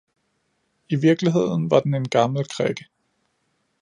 I virkeligheden var den en gammel krikke.